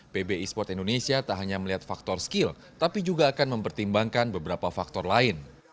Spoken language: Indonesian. pb e sport indonesia tak hanya melihat faktor skill tapi juga akan mempertimbangkan beberapa faktor lain